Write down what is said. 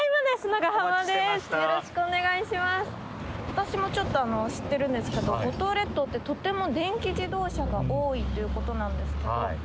私もちょっと知ってるんですけど五島列島ってとても電気自動車が多いということなんですけど。